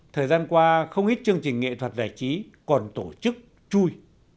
thời gian qua không ít chương trình nghệ thuật giải trí còn tổ chức chui